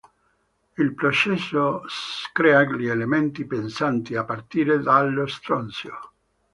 Il processo s crea gli elementi pesanti, a partire dallo stronzio.